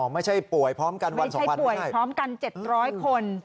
ไม่ใช่ป่วยพร้อมกันวัน๒วันป่วยพร้อมกัน๗๐๐คน